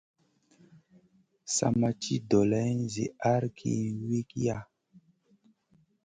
Sa ma ci dolay zi ahrki wiykiya.